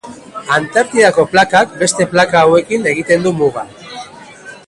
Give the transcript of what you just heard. Antartikako plakak beste plaka hauekin egiten du muga.